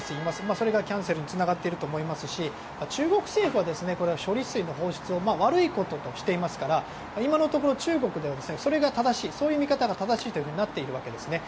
それがキャンセルにつながっていると思いますし中国政府は処理水の放出を悪いこととしていますから今のところ中国ではそういう見方が正しいとなっているんです。